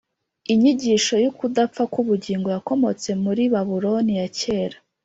inyigisho y’ukudapfa k’ubugingo yakomotse muri babuloni ya kera